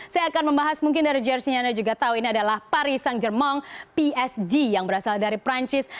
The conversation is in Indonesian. saya akan membahas mungkin dari jerseynya anda juga tahu ini adalah paris saint germain psg yang berasal dari prancis